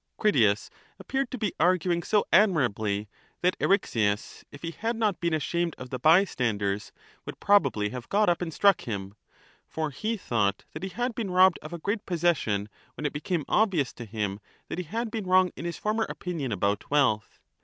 % Critias appeared to be arguing so admirably that Eryxias, Eryxias takes if he had not been ashamed of the bystanders, would chSs, whose probably have got up and struck him. For he thought that argument, as he had been robbed of a great possession when it became ^^0^ obvious to him that he had been wrong in his former opinion the repetition about wealth.